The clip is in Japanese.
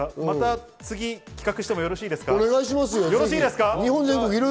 まだ次企画してもよろしいですか？